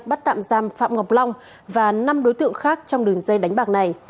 bắt tạm giam phạm ngọc long và năm đối tượng khác trong đường dây đánh bạc này